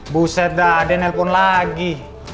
buset dah ada yang telfon lagi